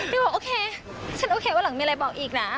บอกโอเคฉันโอเควันหลังมีอะไรบอกอีกนะ